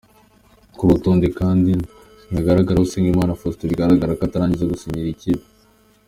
Kuri uru rutonde kani ntihagaragaraho Usengimana Faustin bigaragara ko atararangiza gusinyira iyi kipe.